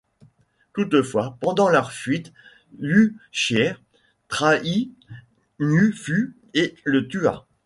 Toutefois, pendant leur fuite, Hu Chi’er trahit Niu Fu et le tua.